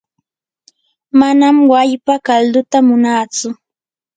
manam wallpa kalduta munaatsu.